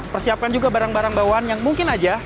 persiapkan juga barang barang bawaan yang mungkin aja